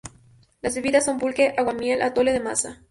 La bebidas son pulque, aguamiel, atole de masa.